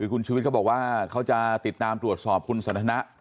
คุณชุวิตเขาบอกว่าเขาจะติดตามตรวจสอบคุณสันทนะ